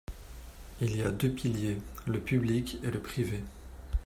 Il y a deux piliers, le public et le privé.